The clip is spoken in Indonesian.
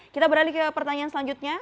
kita beralih ke pertanyaan selanjutnya